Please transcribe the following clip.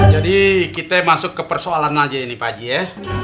jadi kita masuk ke persoalan aja ini pak haji ya